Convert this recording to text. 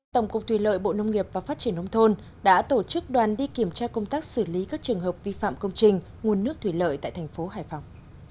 tổng cục thủy lợi bộ nông nghiệp và phát triển nông thôn đã tổ chức đoàn đi kiểm tra công tác xử lý các trường hợp vi phạm công trình nguồn nước thủy lợi tại thành phố hải phòng